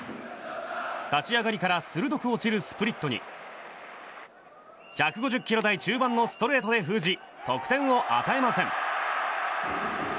立ち上がりから鋭く落ちるスプリットに１５０キロ台中盤のストレートで封じ、得点を与えません。